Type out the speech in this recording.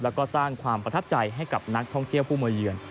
แล้วก็สร้างความประทับใจให้กับนักท่องเที่ยวผู้มาเยือน